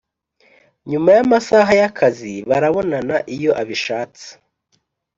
nyuma y amasaha y akazi barabonana iyo abishatse